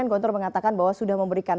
guntur mengatakan bahwa sudah memberikan